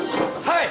はい！